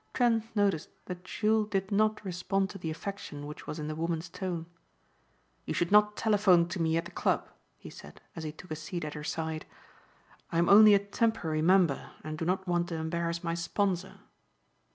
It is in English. Trent noticed that Jules did not respond to the affection which was in the woman's tone. "You should not telephone to me at the club," he said as he took a seat at her side. "I am only a temporary member and do not want to embarrass my sponsor."